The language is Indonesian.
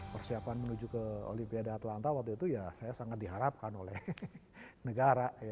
persiapan menuju ke olimpiade atlanta waktu itu ya saya sangat diharapkan oleh negara